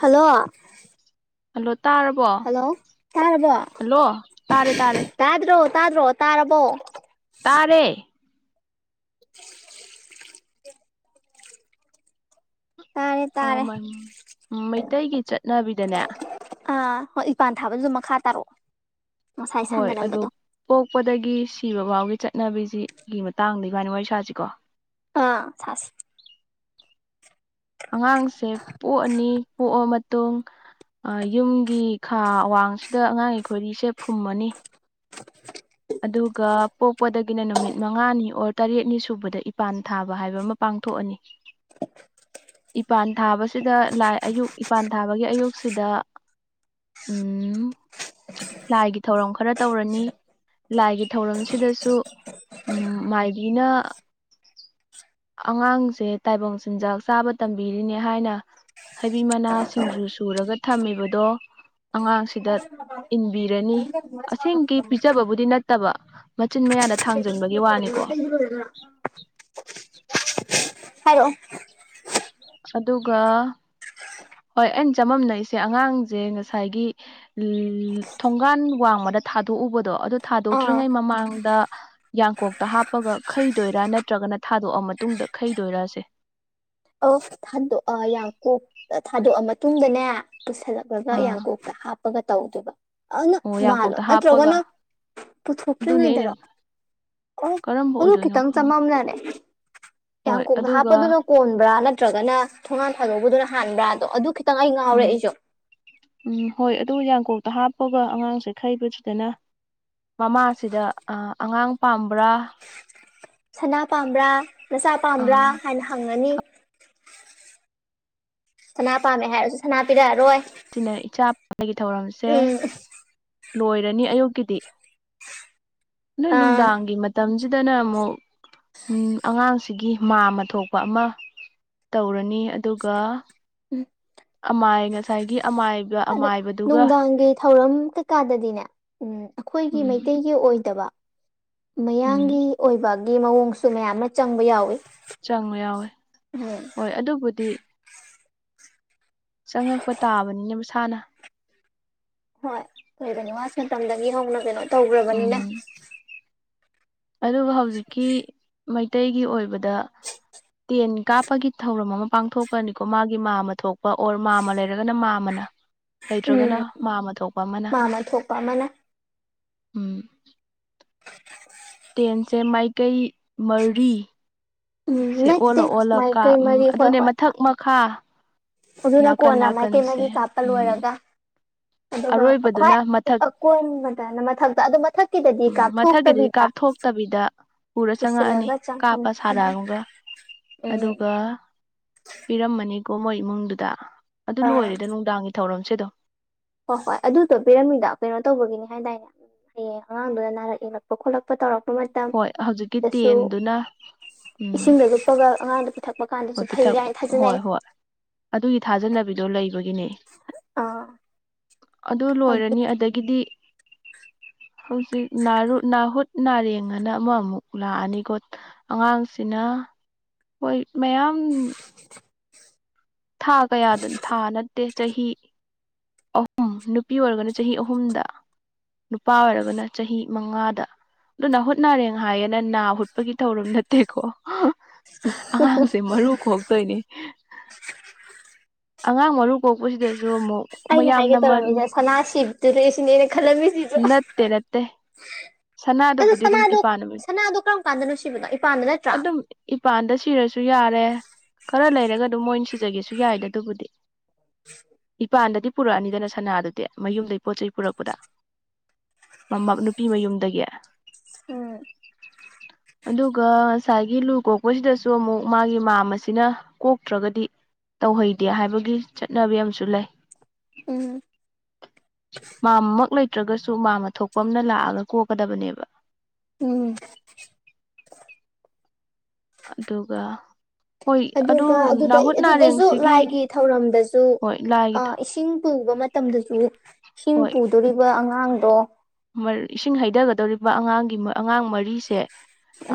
Hello hello ꯇꯥꯔꯕꯣ hello hello ꯇꯥꯔꯦ ꯇꯥꯔꯦ ꯇꯥꯗ꯭ꯔꯣ ꯇꯥꯗ꯭ꯔꯣ ꯇꯥꯔꯕꯣ ꯇꯥꯔꯦ ꯇꯥꯔꯦ ꯑ ꯇꯥꯔꯦ ꯃꯩꯇꯩꯒꯤ ꯆꯠꯅꯕꯤꯗꯅꯦ ꯑꯥ ꯍꯣꯏ ꯏꯄꯥꯟ ꯊꯥꯕꯖꯨ ꯗꯨꯝ ꯃꯈꯥ ꯇꯥꯔꯛꯑꯣ ꯉꯁꯥꯏ ꯍꯣꯏ ꯑꯗꯣ ꯁꯥꯟꯅꯔꯝꯕꯗꯣ ꯄꯣꯛꯄꯗꯒꯤ ꯁꯤꯕꯐꯧꯒꯤ ꯆꯠꯅꯕꯤꯁꯤꯒꯤ ꯃꯇꯥꯡꯗ ꯏꯕꯥꯅꯤ ꯋꯥꯔꯤ ꯁꯥꯁꯤꯀꯣ ꯑꯥ ꯁꯥꯁꯤ ꯑꯉꯥꯡꯁꯦ ꯄꯣꯛꯑꯅꯤ ꯄꯣꯛꯑ ꯃꯇꯨꯡ꯫ ꯌꯨꯝꯒꯤ ꯈꯥ ꯋꯥꯡꯁꯤꯗ ꯑꯉꯥꯡꯒꯤ ꯈꯣꯏꯔꯤꯁꯦ ꯐꯨꯝꯃꯅꯤ꯫ ꯑꯗꯨꯒ ꯄꯣꯛꯄꯗꯒꯤꯅ ꯅꯨꯃꯤꯠ ꯃꯉꯥꯅꯤ ꯑꯣꯔ ꯇꯔꯦꯠꯅꯤ ꯁꯨꯕꯗ ꯏꯄꯥꯟ ꯊꯥꯕ ꯍꯥꯏꯕ ꯑꯃ ꯄꯥꯡꯊꯣꯛꯑꯅꯤ꯫ ꯏꯄꯥꯟ ꯊꯥꯕꯁꯤꯗ ꯂꯥꯏ ꯑꯌꯨꯛ ꯏꯄꯥꯟ ꯊꯥꯕꯒꯤ ꯑꯌꯨꯛꯁꯤꯗ꯫ ꯎꯝ ꯂꯥꯏꯒꯤ ꯊꯧꯔꯝ ꯈꯔ ꯇꯧꯔꯅꯤ꯫ ꯂꯥꯏꯒꯤ ꯊꯧꯔꯝꯁꯤꯗꯁꯨ ꯎꯝ ꯃꯥꯏꯕꯤꯅ ꯑꯉꯥꯡꯁꯦ ꯇꯥꯏꯕꯪ ꯆꯤꯟꯖꯥꯛ ꯆꯥꯕ ꯇꯝꯕꯤꯔꯤꯅꯦ ꯍꯥꯏꯅ꯫ ꯍꯩꯕꯤ ꯃꯅꯥ ꯁꯤꯡꯖꯨ ꯁꯨꯔꯒ ꯊꯝꯃꯤꯕꯗꯣ꯫ ꯑꯉꯥꯡꯁꯤꯗ ꯏꯟꯕꯤꯔꯅꯤ ꯑꯁꯦꯡꯒꯤ ꯗꯤ ꯅꯠꯇꯕ ꯃꯆꯤꯟ ꯃꯌꯥꯅ ꯊꯥꯡꯖꯟꯕꯒꯤ ꯋꯥꯅꯤꯀꯣ ꯂꯣꯏꯕ꯭ꯔ ꯍꯥꯏꯔꯛꯑꯣ ꯑꯗꯨꯒ ꯍꯣꯏ ꯑꯩꯅ ꯆꯃꯝꯅꯩꯁꯦ ꯑꯉꯥꯡꯁꯦ ꯉꯁꯥꯏꯒꯤ ꯊꯣꯡꯒꯥꯟ ꯋꯥꯡꯃꯗ ꯊꯥꯗꯣꯛꯎꯕꯗꯣ ꯑꯗꯨ ꯑꯥ ꯊꯥꯗꯣꯛꯇ꯭ꯔꯤꯉꯩ ꯃꯃꯥꯡꯗ ꯌꯥꯡꯀꯣꯛꯇ ꯍꯥꯞꯄꯒ ꯈꯩꯗꯣꯏꯔ ꯅꯠꯇ꯭ꯔꯒꯅ ꯊꯥꯗꯣꯛꯑ ꯃꯇꯨꯡꯗ ꯈꯩꯗꯣꯏꯔꯁꯦ ꯑꯣꯐ ꯑꯗꯣ ꯌꯥꯡꯀꯣꯛꯇ ꯊꯥꯗꯣꯛꯑ ꯃꯇꯨꯡꯗꯅꯦ ꯄꯨꯁꯜꯂꯛꯂꯒ ꯑꯥ ꯌꯥꯡꯀꯣꯛꯇ ꯍꯥꯞꯄ ꯄꯒ ꯇꯧꯗꯨꯏꯕ ꯑꯗ ꯑꯣ ꯃꯥꯜꯂ ꯌꯥꯡꯀꯣꯛꯇ ꯍꯥꯞꯄꯒ ꯅꯠꯇ꯭ꯔꯒꯅ ꯑꯗꯨꯅꯦ ꯑꯩꯅ ꯄꯨꯊꯣꯛꯇ꯭ꯔꯤꯉꯩꯗꯔꯣ ꯑꯣ ꯀꯔꯝꯕ ꯑꯗꯨ ꯑꯣꯏꯗꯣꯏꯅꯣ ꯈꯤꯇꯪ ꯈꯪ ꯆꯃꯝꯅꯥꯔꯦ ꯍꯣꯏ ꯌꯥꯡꯀꯣꯛꯇ ꯑꯗꯨꯒ ꯍꯥꯞꯄꯗꯨꯅ ꯀꯣꯟꯕ꯭ꯔꯥ ꯅꯠꯇ꯭ꯔꯒꯅ ꯊꯣꯉꯥꯟ ꯊꯥꯗꯧꯕꯗꯨꯅ ꯍꯥꯟꯕ꯭ꯔꯥꯗꯣ ꯑꯗꯨ ꯈꯤꯇ꯫ ꯇꯪꯉ ꯉꯥꯎꯔꯦ ꯎꯝ ꯑꯩꯖꯨ꯫ ꯎꯝ ꯍꯣꯏ ꯑꯗꯨ ꯌꯥꯡꯀꯣꯛꯇ ꯍꯥꯞꯄꯒ ꯑꯉꯥꯡꯁꯦ ꯈꯩꯕꯁꯤꯗꯅ ꯃꯃꯥꯁꯤꯗ ꯑ ꯑꯉꯥꯡ ꯄꯥꯝꯕ꯭ꯔꯥ ꯁꯅꯥ ꯄꯥꯝꯕ꯭ꯔꯥ ꯅꯆꯥ ꯄꯥꯝꯕ꯭ꯔꯥ ꯍꯥꯏꯅ ꯍꯪꯉꯅꯤ ꯁꯅꯥ ꯄꯥꯝꯃꯦ ꯍꯥꯏꯔꯁꯨ ꯁꯅꯥ ꯄꯤꯔꯛꯑꯔꯣꯏ ꯁꯤꯅ ꯏꯆꯥ ꯄꯣꯛꯄꯒꯤ ꯊꯧꯔꯝꯁꯦ ꯎꯝ ꯂꯣꯏꯔꯅꯤ ꯑꯌꯨꯛꯀꯤꯗꯤ ꯅꯣꯏ ꯑꯥ ꯅꯨꯡꯗꯥꯡꯒꯤ ꯃꯇꯝ ꯖꯤꯗꯅ ꯑꯃꯨꯛ ꯎꯝ ꯑꯉꯥꯡꯁꯤꯒꯤ ꯃꯥꯝꯃ ꯊꯣꯛꯄ ꯑꯃ ꯇꯧꯔꯅꯤ ꯑꯗꯨꯒ ꯑꯃꯥꯏꯒ ꯑꯗꯣ ꯅꯨꯡꯗꯥꯡꯒꯤ ꯊꯧꯔꯝ ꯀꯩꯀꯥꯗꯗꯤꯅꯦ ꯎꯝ ꯑꯩꯈꯣꯏꯒꯤ ꯎꯝ ꯃꯩꯇꯩ ꯒꯤ ꯑꯣꯏꯗꯕ ꯎꯝ ꯃꯌꯥꯡꯒꯤ ꯑꯣꯏꯕꯒꯤ ꯃꯑꯣꯡꯁꯨ ꯃꯌꯥꯝ ꯑꯃ ꯆꯪꯕ ꯌꯥꯎꯏ꯫ ꯆꯪꯕ ꯌꯥꯎꯋꯤ ꯍꯣꯏ ꯑꯗꯨꯕꯨꯗꯤ꯫ ꯆꯪꯉꯛꯄ ꯇꯥꯕꯅꯤꯅꯦ ꯃꯁꯥꯅ꯫ ꯍꯣꯏ ꯀꯣꯏꯕꯅꯤ ꯋꯥꯁꯤꯅ ꯃꯇꯝꯗꯒꯤ ꯍꯧꯅ ꯀꯩꯅꯣ ꯇꯧꯒꯔꯕꯅꯤꯅ꯫ ꯎꯝ ꯑꯗꯨꯒ ꯍꯧꯖꯤꯛꯀꯤ ꯃꯩꯇꯩꯒꯤ ꯑꯣꯏꯕꯗ꯫ ꯇꯦꯟ ꯀꯥꯞꯄꯒꯤ ꯊꯧꯔꯝ ꯑꯃ ꯄꯥꯡꯊꯣꯛꯄꯅꯤꯀꯣ ꯃꯥꯒꯤ ꯃꯥꯝꯝ ꯊꯣꯛꯄ ꯑꯣꯔ ꯃꯥꯝꯃ ꯂꯩꯔ꯫ ꯂꯩꯔꯒꯅ ꯃꯥꯝꯃꯅ ꯂꯩꯇ꯭ꯔꯒꯅ ꯎꯝ ꯃꯥꯝꯃ ꯊꯣꯛꯄ ꯑꯃꯅ꯫ ꯃꯥꯃ ꯊꯣꯛꯄ ꯑꯃꯅ ꯎꯝ ꯇꯦꯟꯁꯦ ꯃꯥꯏꯀꯩ ꯃꯔꯤ ꯎꯝ ꯁꯦ ꯑꯣꯜꯂ ꯅꯠꯇꯦ ꯑꯣꯜꯂ ꯀꯥꯞ ꯃꯥꯏꯀꯩ ꯎꯝ ꯃꯔꯤ ꯍꯣꯏ ꯑꯗꯨꯅꯦ ꯍꯣꯏ ꯃꯥꯊꯛ ꯃꯈꯥ ꯑꯗꯨꯅ ꯅꯥꯀꯟ ꯀꯣꯟꯅ ꯃꯥꯏꯀꯩ ꯅꯥꯀꯟꯁꯦ ꯃꯥꯔꯤ ꯀꯥꯞꯄ ꯎꯝ ꯂꯣꯏꯔꯒ ꯑꯗꯨꯒ ꯑꯛ ꯈ꯭ꯋꯥꯏ ꯑꯔꯣꯏꯕꯗꯨꯅ ꯃꯊꯛ ꯑꯀꯣꯟꯕꯗꯅ ꯃꯊꯛꯇ ꯑꯗꯨ ꯃꯥꯊꯛꯀꯤꯗꯗꯤ ꯎꯝ ꯃꯊꯛꯀꯤꯗꯨꯗꯤ ꯀꯥꯞꯊꯣꯛꯇꯕꯤꯗ ꯀꯥꯞꯊꯣꯛꯇꯕꯤꯗ ꯄꯨꯔ ꯆꯪꯉꯛꯑꯅꯤ ꯄꯨꯁꯤꯜꯂꯒ ꯆꯪꯀꯅꯤ ꯀꯥꯞꯄ ꯑꯗꯨ ꯁꯥꯔꯑꯨꯝꯒ ꯎꯝ ꯑꯗꯨꯒ ꯄꯤꯔꯝꯃꯅꯤꯀꯣ ꯃꯣꯏ ꯏꯃꯨꯡꯗꯨꯗ ꯑꯗꯨ ꯑꯥ ꯂꯣꯏꯔꯦꯗ ꯅꯨꯡꯗꯥꯡꯒꯤ ꯊꯧꯔꯝꯁꯤ ꯑꯗꯨꯝ ꯍꯣꯏ ꯍꯣꯏ ꯑꯗꯨꯗꯣ ꯄꯤꯔꯝꯃꯤꯗꯣ ꯀꯩꯅꯣ ꯇꯧꯕꯒꯤꯅꯤ ꯍꯥꯏꯗꯥꯏꯅꯦ ꯎꯝ ꯍꯌꯦꯡ ꯑꯉꯥꯡꯗꯨꯗ ꯅꯥꯔꯛ ꯌꯦꯛꯂꯛ ꯄ ꯈꯣꯠꯂꯛꯄ ꯇꯧꯔꯛꯄ ꯍꯣꯏ ꯍꯧꯖꯤꯛꯀꯤ ꯃꯇꯝꯗꯁꯨ ꯇꯦꯟꯗꯨꯅ ꯎꯝ ꯏꯁꯤꯡꯗꯁꯨ ꯄꯒ ꯑꯥꯉꯡꯗꯨ ꯄꯤꯊꯛꯄ ꯍꯣꯏ ꯀꯥꯟꯗꯁꯨ ꯐꯩ ꯄꯤꯊꯛ ꯀꯥꯏꯅ ꯍꯣꯏ ꯊꯥꯖꯅꯩ ꯍꯣꯏ ꯑꯗꯨꯒꯤ ꯊꯥꯖꯅꯕꯤꯗꯣ ꯂꯩꯕꯒꯤꯅꯦ꯫ ꯑꯥ ꯑꯗꯨ ꯍꯥꯏꯗꯤ ꯂꯣꯏꯔꯅꯤ ꯑꯗꯒꯤꯗꯤ ꯍꯧꯖꯤꯛ ꯅꯥꯔꯨꯠ ꯅꯥꯍꯨꯠ ꯅꯥꯔꯦꯡꯑꯅ ꯑꯃ ꯑꯃꯨꯛ ꯂꯥꯛꯑꯅꯤꯀꯣ ꯑꯉꯥꯡꯁꯤꯅ ꯍꯣꯏ ꯃꯌꯥꯝ ꯊꯥ ꯀꯌꯥꯗꯅꯣ ꯊꯥ ꯅꯠꯇꯦ ꯆꯍꯤ ꯑꯍꯨꯝ ꯅꯨꯄꯤ ꯑꯣꯏꯔꯒꯅ ꯆꯍꯤ ꯑꯍꯨꯝꯗ ꯅꯨꯄꯥ ꯑꯣꯏꯔꯒꯅ ꯆꯍꯤ ꯃꯉꯥꯗ ꯑꯗꯨ ꯅꯥꯍꯨꯠ ꯅꯥꯔꯦꯡ ꯍꯥꯏꯌꯦꯅ ꯅꯥ ꯍꯨꯠꯄꯒꯤ ꯊꯧꯔꯝ ꯅꯠꯇꯦꯀꯣ ꯑꯉꯥꯡꯁꯦ ꯃꯔꯨ ꯀꯣꯛꯇꯣꯏꯅꯦ ꯑꯉꯥꯡ ꯃꯔꯨ ꯀꯣꯛꯄꯁꯤꯗꯁꯨ ꯑꯃꯨꯛ ꯑꯩꯅ ꯍꯥꯏꯒꯦ ꯃꯌꯥꯝꯅ ꯃ ꯇꯧꯔꯝꯃꯤꯁꯦ ꯁꯅꯥ ꯁꯤꯕꯤ ꯑꯗꯨꯗꯩꯩ ꯑꯩꯁꯨꯅꯤꯅ ꯈꯥꯜꯂꯝꯅꯤ ꯅꯠꯇꯦ ꯅꯠꯇꯦ ꯑꯗꯣ ꯁꯅꯥꯗꯨꯕꯨꯗꯤ ꯑꯗꯨꯝ ꯁꯅꯥꯗꯣ ꯏꯄꯥꯟ ꯅꯨꯃꯤꯠ ꯁꯅꯥꯗꯣ ꯀꯔꯝ ꯀꯥꯟꯗꯅꯣ ꯁꯤꯕꯅꯣ ꯏꯄꯥꯥꯟꯗ ꯅꯠꯇ꯭ꯔꯣ ꯑꯗꯨꯝ ꯏꯄꯥꯟꯗ ꯁꯤꯔꯁꯨ ꯌꯥꯔꯦ ꯈꯔ ꯂꯩꯔꯒ ꯑꯗꯨꯝ ꯃꯣꯏꯅ ꯁꯤꯖꯒꯦꯁꯨ ꯌꯥꯏꯗꯣ ꯑꯗꯨꯕꯨꯗꯤ꯫ [inaudible] ꯏꯄꯥꯟꯗꯗꯤ ꯄꯨꯔꯛꯑꯅꯤꯗꯅ ꯁꯅꯥꯗꯨꯗꯤ ꯃꯌꯨꯝꯗꯩ ꯄꯣꯠ ꯆꯩ ꯄꯨꯔꯛꯄꯗ꯫ ꯃꯝ ꯃ ꯅꯨꯄꯤ ꯃꯌꯨꯝꯗꯒꯤ [unintelligible] [unintelligible] ꯑꯗꯨꯒ ꯉꯁꯥꯏꯒꯤ ꯂꯨ ꯀꯣꯛꯄꯁꯤꯗꯁꯨ ꯑꯃꯨꯛ ꯃꯥꯒꯤ ꯃꯥꯝꯃ ꯁꯤꯅ ꯀꯣꯛꯇ꯭ꯔꯒꯗꯤ ꯇꯧꯍꯩꯗꯦ ꯍꯥꯏꯕꯒꯤ ꯆꯠꯅꯕꯤ ꯑꯃꯁꯨ ꯂꯩ ꯎꯝ ꯃꯥꯝꯃ ꯃꯛ ꯂꯩꯇ꯭ꯔꯒꯁꯨ ꯃꯥꯝꯃ ꯊꯣꯛꯄ ꯑꯃꯅ ꯂꯥꯛꯑꯒ ꯀꯣꯛꯀꯗꯕꯅꯦꯕ ꯎꯝ ꯑꯗꯨꯒ ꯍꯣꯏ ꯑꯗꯨ ꯑꯗꯨꯒ ꯑꯗꯨꯗ ꯅꯥꯍꯨꯠ ꯑꯗꯨꯗꯁꯨ ꯅꯥꯔꯦꯡꯁꯤꯒꯤ ꯂꯥꯏꯒꯤ ꯊꯧꯔꯝꯗꯁꯨ ꯍꯣꯏ ꯂꯥꯏꯒꯤ ꯑ ꯏꯁꯤꯡ ꯄꯨꯕ ꯃꯇꯝꯗꯁꯨ ꯏꯁꯤꯡ ꯍꯣꯏ ꯄꯨꯗꯣꯔꯤꯕ ꯑꯉꯥꯡꯗꯣ ꯏꯁꯤꯡ ꯍꯩꯊꯒꯗꯧꯔꯤꯕ ꯑꯉꯥꯡꯒꯤ ꯑꯉꯥꯡ ꯃꯔꯤꯁꯦ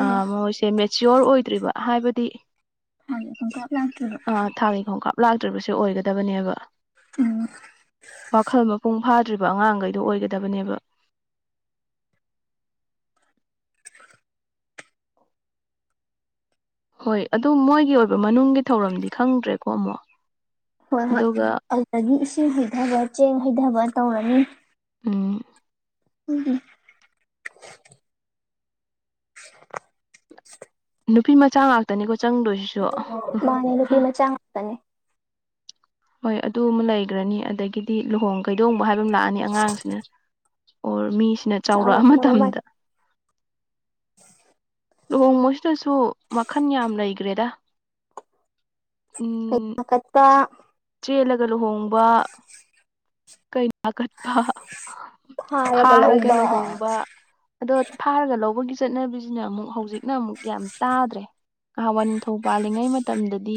ꯑ ꯃꯣꯏꯁꯦ ꯃꯦ ꯃꯦꯆ꯭ꯌꯣꯔ ꯑꯣꯏꯗ꯭ꯔꯤꯕ ꯍꯥꯏꯕꯗꯤ ꯦ [unintelligible] ꯑ ꯊꯥꯒꯤ ꯈꯣꯡꯀꯥꯞ ꯂꯥꯛꯇ꯭ꯔꯤꯕꯁꯦ ꯑꯣꯏꯒꯗꯕꯅꯦꯕ ꯎꯝ ꯋꯥꯈꯜ ꯃꯄꯨꯡ ꯐꯥꯗ꯭ꯔꯤꯕ ꯑꯉꯥꯡꯒꯩꯗꯣ ꯑꯣꯏꯒꯗꯕꯅꯦꯕ ꯍꯣꯏ ꯑꯗꯨ ꯃꯣꯏꯒꯤ ꯑꯣꯏꯕ ꯃꯅꯨꯡꯒꯤ ꯊꯧꯔꯝꯗꯤ ꯈꯪꯗ꯭ꯔꯦꯀꯣ ꯑꯃꯨꯛ ꯍꯣꯏ ꯍꯣꯏ ꯑꯗꯨꯒ ꯑꯗꯨꯗꯒꯤ ꯏꯁꯤꯡ ꯍꯩꯊꯕ ꯆꯦꯡ ꯍꯩꯊꯕ ꯇꯧꯔꯅꯤ ꯎꯝ ꯎꯝ [inaudible] ꯅꯨꯄꯤ ꯃꯆꯥ ꯉꯥꯛꯇꯅꯤꯀꯣ ꯆꯪꯗꯣꯏ ꯃꯥꯅꯦ ꯅꯨꯄꯤ ꯃꯆꯥ ꯉꯥꯛꯇꯅꯦ ꯍꯣꯏ ꯑꯗꯨ ꯑꯃ ꯂꯩꯒ꯭ꯔꯅꯤ ꯑꯗꯒꯤꯗꯤ ꯂꯨꯍꯣꯡ ꯀꯩꯗꯣꯡꯕ ꯍꯥꯏꯕ ꯑꯃ ꯂꯥꯛꯑꯅꯤ ꯑꯉꯥꯡꯁꯤꯅ ꯑꯣꯔ ꯃꯤꯁꯤꯅ ꯆꯥꯎꯔꯛꯑ ꯆꯥꯎꯔꯛꯂꯕ ꯃꯥꯜꯂꯦ ꯃꯇꯝꯗ [inaudible] ꯂꯨꯍꯣꯡꯕꯁꯤꯗꯁꯨ ꯃꯈꯟ ꯌꯥꯝ ꯂꯩꯈ꯭ꯔꯦꯗ ꯎꯝ ꯀꯩꯅꯥ ꯀꯠꯄ ꯆꯦꯜꯂꯒ ꯂꯨꯍꯣꯡꯕ ꯀꯩ ꯀꯩꯅꯥ ꯀꯠꯄ ꯐꯥꯔꯒ ꯂꯨꯍꯣꯡꯕ ꯑꯗꯣ ꯐꯥꯔꯒ ꯂꯧꯕꯒꯤ ꯆꯠꯅꯕꯤꯁꯤꯅ ꯑꯃꯨꯛ ꯍꯧꯖꯤꯛꯅ ꯑꯃꯨꯛ ꯌꯥꯝ ꯇꯥꯗ꯭ꯔꯦ ꯉꯍꯥꯟꯋꯥꯏ ꯅꯤꯡꯊꯧ ꯄꯥꯜꯂꯤꯉꯩ ꯃꯇꯝꯗꯗꯤ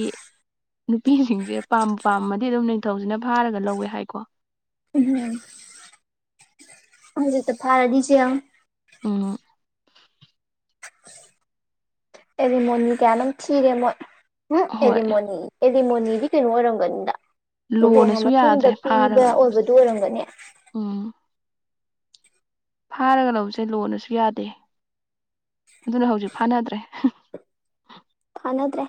ꯅꯨꯄꯤꯁꯤꯡꯁꯦ ꯄꯥꯝ ꯄꯥꯝꯃꯗꯤ ꯑꯗꯨꯝ ꯅꯤꯡꯊꯧꯁꯤꯅ ꯐꯥꯔꯒ ꯂꯧꯋꯦ ꯍꯥꯏꯀꯣ ꯎꯝ ꯍꯧꯖꯤꯛꯇ ꯐꯥꯔꯗꯤ ꯖꯦꯜ ꯎꯝ ꯑꯦꯔꯤꯃꯣꯅꯤ ꯀꯌꯥꯅꯣꯝ ꯊꯤꯔꯦ ꯃꯣꯏ ꯎꯝ ꯍꯣꯏ ꯑꯦꯂꯤꯃꯣꯅꯤ ꯑꯦꯂꯤꯃꯣꯅꯤꯗꯤ ꯀꯩꯅꯣ ꯑꯣꯏꯔꯝꯒꯅꯤꯗ ꯂꯨꯍꯣꯡꯉ ꯂꯣꯅꯁꯨ ꯃꯇꯨꯡꯗ ꯌꯥꯗ꯭ꯔꯦ ꯄꯤꯕ ꯐꯥꯔꯒ ꯂꯧꯕꯁꯦ ꯑꯣꯏꯕꯗꯨ ꯑꯣꯏꯔꯝꯒꯅꯤ ꯎꯝ ꯐꯥꯔꯒ ꯂꯧꯕꯁꯦ ꯂꯣꯅꯁꯨ ꯌꯥꯗꯦ ꯑꯗꯨꯅ ꯍꯧꯖꯤꯛ ꯐꯥꯅꯗ꯭ꯔꯦ ꯐꯥꯅꯗ꯭ꯔꯦ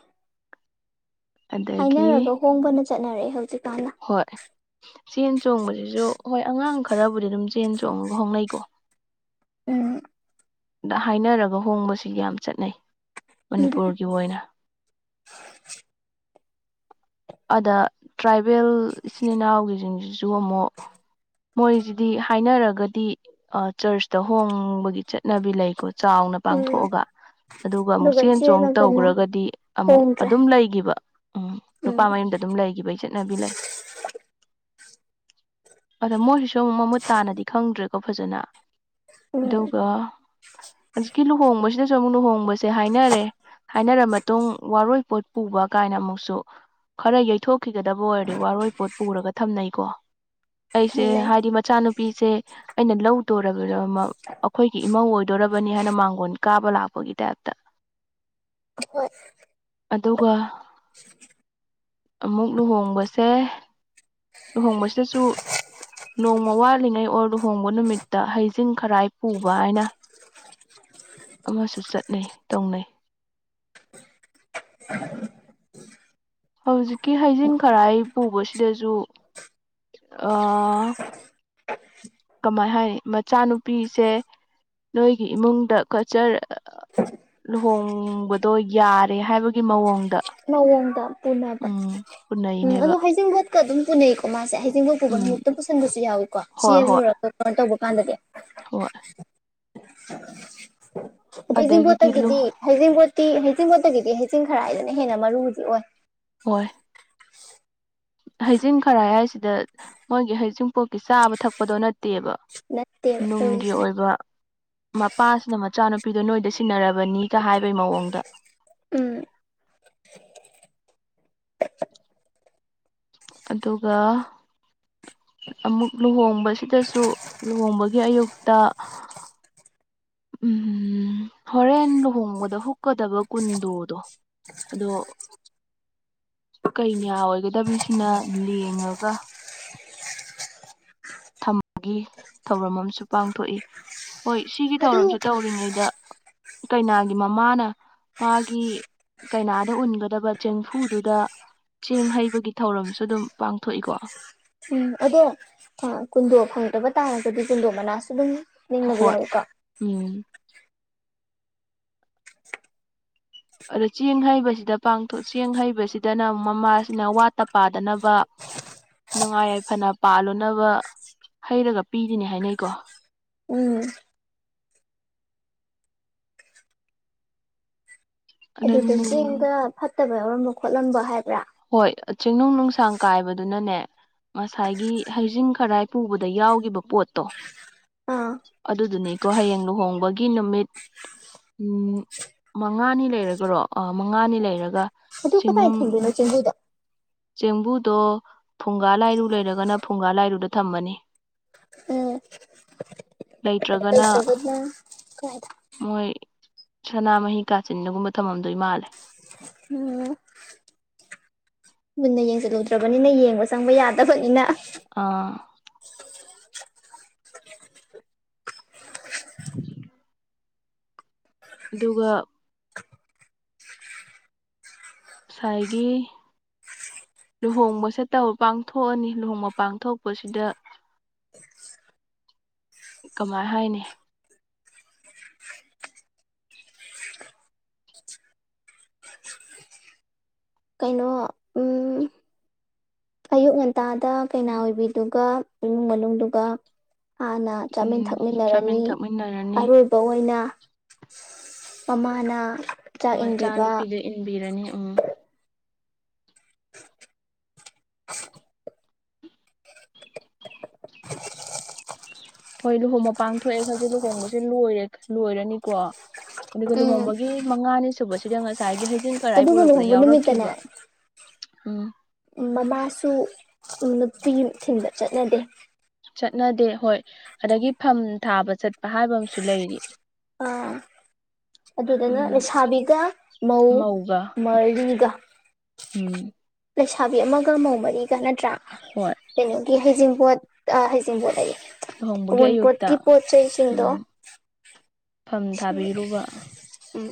ꯑꯗꯒꯤ ꯍꯥꯏꯅꯔꯒ ꯍꯣꯡꯕꯅ ꯆꯠꯅꯔꯛꯑꯦ ꯍꯧꯖꯤꯛꯀꯥꯟꯅ ꯍꯣꯏ ꯆꯦꯟ ꯆꯣꯡꯕꯁꯤꯁꯨ ꯍꯣꯏ ꯑꯉꯥꯡ ꯈꯔꯕꯨꯗꯤ ꯑꯗꯨꯝ ꯆꯦꯟ ꯆꯣꯡꯉꯒ ꯍꯣꯡꯅꯩꯀꯣ ꯎꯝ ꯗ ꯍꯥꯏꯅꯔꯒ ꯍꯣꯡꯕꯁꯤ ꯌꯥꯝ ꯆꯠꯅꯩ ꯃꯅꯤꯄꯨꯔꯒꯤ ꯑꯣꯏꯅ ꯑꯗ ꯇ꯭ꯔꯥꯏꯕꯦꯜ ꯏꯆꯤꯟ ꯏꯅꯥꯎꯒꯤꯖꯤꯡꯖꯤꯖꯨ ꯑꯃꯨꯛ ꯃꯣꯏꯁꯤꯗꯤ ꯍꯥꯏꯅꯔꯒꯗꯤ ꯑ ꯆꯔ꯭ꯁꯇ ꯍꯣꯡꯕꯒꯤ ꯆꯠꯅꯕꯤ ꯂꯩꯀꯣ ꯆꯥꯎꯅ ꯎꯝ ꯄꯥꯡꯊꯣꯛꯑꯒ ꯑꯗꯨꯒ ꯑꯃꯨꯛ ꯆꯦꯟ ꯆꯣꯡ ꯇꯧꯒ꯭ꯔꯒꯗꯤ ꯑꯃꯨꯛ ꯍꯣꯡꯗ꯭ꯔꯦ ꯑꯗꯨꯝ ꯂꯩꯒꯤꯕ ꯎꯝ ꯎꯝ ꯅꯨꯨꯄꯥ ꯃꯌꯨꯝꯗ ꯑꯗꯨꯝ ꯂꯩꯒꯤꯕꯩ ꯆꯠꯅꯕꯤ ꯂꯩ ꯑꯗ ꯃꯣꯏꯁꯤꯁꯨ ꯑꯃꯨꯛ ꯃꯃꯨꯠ ꯇꯥꯅꯗꯤ ꯈꯪꯗ꯭ꯔꯦꯀꯣ ꯐꯖꯅ ꯑꯗꯨꯒ ꯍꯧꯖꯤꯛꯀꯤ ꯂꯨꯍꯣꯡꯕꯁꯤꯗꯁꯨ ꯑꯃꯨꯛ ꯂꯨꯍꯣꯡꯕꯁꯦ ꯍꯥꯏꯅꯔꯦ ꯍꯥꯏꯅꯔ ꯃꯇꯨꯡ ꯋꯥꯔꯣꯏꯄꯣꯠ ꯄꯨꯕ ꯀꯥꯏꯅ ꯑꯃꯨꯛꯁꯨ ꯈꯔ ꯌꯩꯊꯣꯛꯈꯤꯒꯗꯕ ꯑꯣꯏꯔꯗꯤ ꯋꯥꯔꯣꯏꯄꯣꯠ ꯄꯨꯔꯒ ꯊꯝꯅꯩꯀꯣ꯫ ꯑꯩꯁꯦ ꯊꯝꯅꯩ ꯍꯥꯏꯗꯤ ꯃꯆꯥꯅꯨꯄꯤꯁꯦ ꯑꯩꯅ ꯂꯧꯇꫭꯔꯕꯤꯔ ꯃ ꯑꯈꯣꯏꯒꯤ ꯏꯃꯧ ꯑꯣꯏꯗꯣꯔꯕꯅꯤ ꯍꯥꯏꯅ ꯃꯥꯡꯒꯣꯟ ꯀꯥꯕ ꯂꯥꯛꯄꯒꯤ ꯇꯥꯏꯞꯇ꯫ ꯍꯣꯏ ꯑꯗꯨꯒ ꯑꯃꯨꯛ ꯂꯨꯍꯣꯡꯕꯁꯦ ꯂꯨꯍꯣꯡꯕꯁꯤꯗꯁꯨ ꯅꯣꯡꯃ ꯋꯥꯠꯂꯤꯉꯩ ꯑꯣꯔ ꯂꯨꯍꯣꯡꯕ ꯅꯨꯃꯤꯠꯇ ꯍꯩꯖꯤꯡ ꯈꯔꯥꯏ ꯄꯨꯕ ꯍꯥꯏꯅ ꯑꯃꯁꯨ ꯆꯠꯅꯩ ꯇꯧꯅꯩ꯫ ꯍꯧꯖꯤꯛꯀꯤ ꯍꯩꯖꯤꯡ ꯈꯔ ꯑꯩ ꯄꯨꯕꯁꯤꯗꯁꯨ ꯑꯥ ꯀꯃꯥꯏ ꯍꯥꯏꯅꯤ ꯃꯆꯥꯅꯨꯄꯤꯁꯦ ꯅꯣꯏꯒꯤ ꯏꯃꯨꯡꯗ ꯀꯠꯆꯔ ꯑ ꯂꯨꯍꯣꯡꯕꯗꯣ ꯌꯥꯔꯦ ꯍꯥꯏꯕꯒꯤ ꯃꯑꯣꯡ ꯃꯑꯣꯡꯗ ꯇꯤꯅꯕ ꯎꯝ ꯑꯗꯣ ꯄꯨꯅꯩꯅꯦꯕ ꯍꯩꯖꯤꯡꯕꯣꯠꯀ ꯑꯗꯨꯝ ꯄꯨꯅꯩꯀꯣ ꯃꯥꯁꯦ ꯍꯖꯤꯡꯕꯣꯠ ꯄꯨꯕ ꯎꯝ ꯅꯨꯃꯤꯠꯇ ꯄꯨ [unintelligible] ꯌꯥꯎꯏꯀꯣ ꯍꯣꯏ ꯍꯣꯏ ꯆꯦꯜꯂꯨꯔꯒ ꯀꯩꯅꯣ ꯇꯧꯕ ꯀꯥꯟꯗꯗꯤ ꯍꯣꯏ ꯑꯗꯒꯤꯗꯤ ꯂꯨ ꯍꯩꯖꯤꯡꯕꯣꯠꯇꯒꯤꯗꯤ ꯍꯩꯖꯤꯡꯕꯣꯠꯇꯤ ꯍꯩꯖꯤꯡꯕꯣꯠꯇꯒꯤꯗꯤ ꯍꯩꯖꯤꯡ ꯈꯔꯥꯏꯗꯨꯅ ꯍꯦꯟꯅ ꯃꯔꯨꯗꯤ ꯑꯣꯏ ꯍꯣꯏ ꯍꯩꯖꯤꯡ ꯈꯔꯥꯏ ꯍꯥꯏꯁꯤꯗ ꯃꯣꯏꯒꯤ ꯍꯩꯖꯤꯡꯄꯣꯛꯀꯤ ꯆꯥꯕ ꯊꯛꯄꯗꯣ ꯅꯠ ꯇꯦꯕ ꯅꯠꯇꯦꯕ ꯅꯨꯡꯒꯤ ꯑꯣꯏꯔꯤꯁꯦ ꯑꯣꯏꯕ ꯃꯄꯥꯁꯤꯅ ꯃꯆꯥꯅꯨꯄꯤꯗꯣ ꯅꯣꯏꯗ ꯁꯤꯟꯅꯔꯕꯅꯤꯒ ꯍꯥꯏꯕꯩ ꯃꯑꯣꯡꯗ ꯎꯝ꯫ ꯑꯗꯨꯒ ꯑꯃꯨꯛ ꯂꯨꯍꯣꯡꯕꯁꯤꯗꯁꯨ ꯂꯨꯍꯣꯡꯕꯒꯤ ꯑꯌꯨꯛꯇ ꯎꯝꯝ ꯍꯣꯔꯦꯟ ꯂꯨꯍꯣꯡꯕꯗ ꯍꯨꯛꯀꯗꯕ ꯀꯨꯟꯗꯣꯗꯣ ꯑꯗꯣ ꯀꯩꯅ꯭ꯌꯥ ꯑꯣꯏꯒꯗꯕꯤꯁꯤꯅ ꯂꯦꯡꯉꯒ ꯊꯝꯕꯒꯤ ꯊꯧꯔꯝ ꯑꯃꯁꯨ ꯄꯥꯡꯊꯣꯛꯏ ꯍꯣꯏ ꯁꯤꯒꯤ ꯑꯗꯨ ꯊꯧꯔꯝꯁꯦ ꯇꯧꯔꯤꯉꯩꯗ ꯀꯩꯅꯥꯒꯤ ꯃꯃꯥꯅ ꯃꯥꯒꯤ ꯀꯩꯅꯥꯗ ꯎꯟꯒꯗꯕ ꯆꯦꯡꯐꯨꯗꯨꯗ ꯆꯦꯡ ꯍꯩꯕꯒꯤ ꯊꯧꯔꯝꯁꯨ ꯑꯗꯨꯝ ꯄꯥꯡꯊꯣꯛꯏꯀꯣ꯫ ꯎꯝ ꯑꯗꯣ ꯑ ꯀꯨꯟꯗꯣ ꯐꯪꯗꯕ ꯇꯥꯔꯒꯗꯤ ꯀꯨꯟꯗꯣ ꯃꯅꯥꯁꯨ ꯑꯗꯨꯝ ꯅꯤꯡꯅꯕ ꯍꯣꯏ ꯌꯥꯎꯏꯀꯣ꯫ ꯎꯝ ꯑꯗꫭ ꯆꯦꯡ ꯍꯩꯕꯁꯤꯗ ꯄꯥꯡꯊꯣꯛ ꯆꯦꯡ ꯍꯩꯕꯁꯤꯗꯅ ꯃꯃꯥꯁꯤꯅ ꯋꯥꯠꯇ ꯄꯥꯗꯅꯕ ꯅꯨꯡꯉꯥꯏ ꯌꯥꯏꯐꯅ ꯄꯥꯜꯂꯨꯅꯕ ꯍꯩꯔꯒ ꯄꯤꯔꯤꯅꯦ ꯍꯥꯏꯅꯩꯀꯣ꯫ ꯎꯝ꯫ ꯑꯗꯨ ꯑꯗꯨꯗ ꯆꯦꯡꯗ ꯐꯠꯇꯕ ꯌꯥꯎꯔꯝꯕ ꯈꯣꯠꯂꯝꯕ ꯍꯥꯏꯕ꯭ꯔꯥ꯫ ꯍꯣꯏ ꯆꯦꯡꯅꯨꯡ ꯅꯨꯡꯁꯥꯡ ꯀꯥꯏꯕꯗꯨꯅꯅꯦ ꯉꯁꯥꯏꯒꯤ ꯍꯩꯖꯤꯡ ꯈꯔꯥꯏ ꯄꯨꯕꯗ ꯌꯥꯎꯈꯤꯕ ꯄꯣꯠꯇꯣ ꯑꯥ ꯑꯗꯨꯗꯨꯅꯤꯀꯣ ꯍꯌꯦꯡ ꯂꯨꯍꯣꯡꯕꯒꯤ ꯅꯨꯃꯤꯠ ꯎꯝ ꯃꯉꯥꯅꯤ ꯂꯩꯔꯒꯔꯣ ꯑ ꯃꯉꯥꯅꯤ ꯂꯩꯔꯒ ꯇ ꯀꯗꯥꯏ ꯆꯤꯡꯅꯨꯡ ꯊꯝꯗꫭꯏꯅꯣ ꯆꯦꯡꯕꯨꯗꫭ꯫ ꯆꯦꯡꯕꯨꯗꯣ ꯐꯨꯡꯒꯥ ꯂꯥꯏꯔꯨ ꯂꯩꯔꯒꯅ ꯐꯨꯡꯒꯥ ꯂꯥꯏꯔꯨꯗ ꯊꯝꯑꯅꯤ꯫ ꯎꯝ꯫ ꯂꯩꯇ꯭ꯔꯒ ꯂꯩꯇ꯭ꯔꯒꯅ ꯀꯥꯏꯗ꯫ ꯃꯣꯏ ꯁꯅꯥꯃꯍꯤ ꯀꯥꯆꯤꯟꯗꯒꯨꯝꯕ ꯊꯝꯃꯝꯗꯣꯏ ꯃꯥꯜꯂꯦ꯫ ꯎꯝ꯫ ꯃꯨꯟꯅ ꯌꯦꯡꯁꯤꯜꯂꯨꯗ꯭ꯔꯕꯅꯤꯅ ꯌꯦꯡꯕ ꯆꯪꯕ ꯌꯥꯗꯕꯅꯤꯅ꯫ ꯑꯥ꯫ ꯑꯗꯨꯒ ꯉꯁꯥꯏꯒꯤ ꯂꯨꯍꯣꯡꯕꯁꯦ ꯇꯧ ꯄꯥꯡꯊꯣꯛꯑꯅꯤ ꯂꯨꯍꯣꯡꯕ ꯄꯥꯡꯊꯣꯛꯄꯁꯤꯗ ꯀꯃꯥꯏ ꯍꯥꯏꯅꯤ꯫ [inaudible] ꯀꯩꯅꯣ ꯎꯝ ꯑꯌꯨꯛ ꯉꯟꯇꯥꯗ ꯀꯩꯅꯥ ꯑꯣꯏꯕꯤꯗꯨꯒ ꯏꯃꯨꯡ ꯃꯅꯨꯡꯗꯨꯒ ꯍꯥꯟꯅ ꯆꯥꯃꯤꯟ ꯎꯝ ꯆꯥꯃꯤꯟ ꯊꯛꯃꯤꯟꯅꯔꯅꯤ ꯊꯛꯃꯤꯟꯅꯔꯅꯤ ꯑꯔꯣꯏꯕ ꯑꯣꯏꯅ ꯃꯃꯥꯅ ꯆꯥꯛ ꯏꯟꯕꯤꯕ ꯃꯆꯥꯅꯨꯄꯤꯗ ꯏꯟꯕꯤꯔꯅꯤ ꯎꯝ ꯍꯣꯏ ꯂꯨꯍꯣꯡꯕ ꯄꯥꯡꯊꯣꯛꯑꯦ ꯈꯥꯟꯂꯁꯤ ꯂꯨꯍꯣꯡꯕꯁꯦ ꯂꯣꯏꯔꯦ ꯂꯣꯏꯔꯅꯤꯀꯣ ꯑꯗꯨꯒ ꯎꯝ ꯂꯨꯍꯣꯡꯕꯒꯤ ꯃꯉꯥꯅꯤ ꯁꯨꯕꯁꯤꯗ ꯉꯁꯥꯏꯒꯤ ꯍꯥꯢꯖꯤꯡ ꯈꯥꯔꯥꯢ ꯑꯗꯨꯒ ꯄꯨꯔꯛꯄꯗ ꯂꯨꯍꯣꯡꯕ ꯅꯨꯃꯤꯠꯇꯅꯦ ꯌꯥꯎꯔꯛꯈꯤꯕ ꯎꯝ ꯃꯃꯥꯁꯨ ꯅꯨꯄꯤ ꯊꯤꯟꯕ ꯆꯠꯅꯗꯦ꯫ ꯆꯠꯅꯗꯦ ꯍꯣꯏ ꯑꯗꯒꯤ ꯐꯝ ꯊꯥꯕ ꯆꯠꯄ ꯍꯥꯏꯕ ꯑꯃꯁꯨ ꯂꯩꯔꯤ꯫ ꯑꯥ ꯑꯗꯨꯗꯅ ꯎꯝ ꯂꯩꯁꯥꯕꯤꯒ ꯃꯧ ꯃꯧꯒ ꯃꯔꯤꯒ꯫ ꯎꯝ꯫ ꯂꯩꯁꯥꯕꯤ ꯑꯃꯒ ꯃꯧ ꯃꯔꯤꯒ ꯅꯠꯇ꯭ꯔꯥ꯫ ꯍꯣꯏ ꯀꯩꯅꯣꯒꯤ ꯍꯩꯖꯤꯡꯕꯣꯠ ꯑ ꯍꯩꯖꯤꯡꯕꯣꯠ ꯍꯩꯌꯦ ꯂꯨꯍꯣꯡꯕꯒꯤ ꯑꯣꯟ ꯑꯌꯨꯛꯇ ꯄꫭꯠꯀꯤ ꯎꯝ ꯄꯣꯠꯆꯩꯁꯤꯡꯗꫭ ꯐꯝ ꯊꯥꯕꯤꯔꯨꯕ [inaudible] ꯎꯝ꯫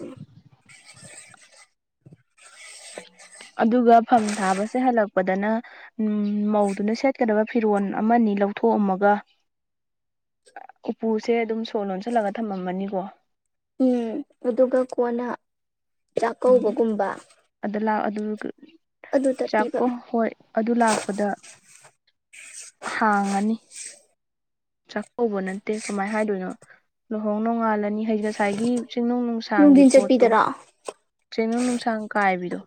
ꯑꯗꯨꯒ ꯐꯝ ꯊꯥꯕꯁꯦ ꯍꯥꯜꯂꯛꯄ ꯄꯗꯅ ꯑꯝ ꯃꯧꯗꯨꯅ ꯁꯦꯠꯀꯗꯕ ꯐꯤꯔꯣꯜ ꯑꯃ ꯑꯅꯤ ꯂꯧꯊꯣꯛꯑꯝꯃꯒ ꯎꯄꯨꯁꯦ ꯑꯗꯨꯝ ꯁꯣ ꯂꯣꯟꯁꯜꯂꯒ ꯊꯝꯃꯝꯃꯅꯤꯀꯣ ꯎꯝ ꯑꯗꯨꯒ ꯀꯣꯟꯅ ꯎꯝ ꯆꯥꯛꯀꯧꯕꯒꯨꯝꯕ ꯑꯗ ꯂꯥꯛꯑꯣ ꯑꯗꯨ ꯑꯗꯨꯗ ꯄꯤꯕ ꯆꯥꯛꯀꯣ ꯍꯣꯏ ꯑꯗꯨ ꯂꯥꯛꯄꯗ ꯍꯥꯡꯉꯥꯅꯤ ꯆꯥꯛꯀꯧꯕ ꯅꯠꯇꯦ ꯀꯃꯥꯏꯅ ꯍꯥꯏꯗꯣꯏꯅꯣ ꯂꯨꯍꯣꯡ ꯅꯣꯡꯉꯥꯜꯂꯅꯤ ꯉꯁꯥꯏꯒꯤ ꯆꯤꯡꯅꯨꯡ ꯅꯨꯡ ꯅꯨꯡꯁꯥꯡꯒꯤ ꯅꯨꯡꯊꯤꯟ ꯄꯣꯠꯇꯣ ꯆꯠꯄꯤꯗꯔꯣ ꯆꯦꯅꯨ ꯅꯨꯡꯁꯥꯡ ꯀꯥꯏꯕꯤꯗꯣ